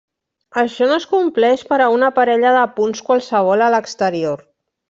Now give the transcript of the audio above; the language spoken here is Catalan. Això no es compleix per a una parella de punts qualssevol a l'exterior.